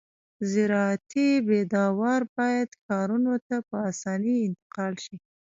زراعتي پیداوار باید ښارونو ته په اسانۍ انتقال شي